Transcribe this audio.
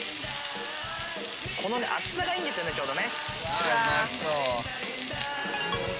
この厚さがいいんですよね、ちょうど。